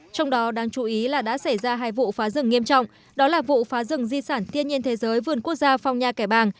trong đó đáng chú ý là đã xảy ra hai vụ phá rừng nghiêm trọng đó là vụ phá rừng di sản thiên nhiên thế giới vườn quốc gia phong nha kẻ bàng